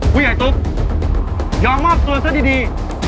พูดให้ไอ้ตุ๊กยอมมอบตัวซะดี